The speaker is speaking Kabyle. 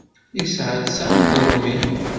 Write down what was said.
Yesɛa tesɛa n tleɣmin.